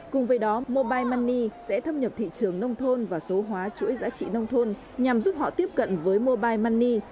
cùng với đó mobile money sẽ thâm nhập thị trường nông thôn và số hóa chuỗi giá trị nông thôn nhằm giúp họ tiếp cận với mobile money